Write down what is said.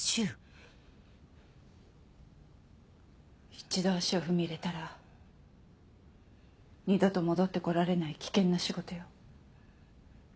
一度足を踏み入れたら二度と戻って来られない危険な仕事よ。